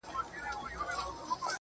ستا د مينې ستا د عشق له برکته~